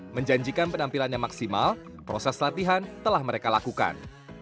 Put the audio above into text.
menjanjikan penampilannya maksimal proses latihan telah mereka lakukan